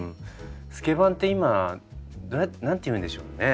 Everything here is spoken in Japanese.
スケバンって今何て言うんでしょうね。